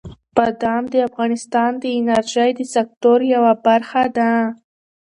بادام د افغانستان د انرژۍ د سکتور یوه برخه ده.